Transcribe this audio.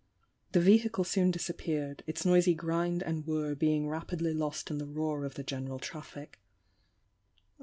The Vehicle soon disappeared, its noisy grind and whir being rapidly lost in the roar of the general traffic.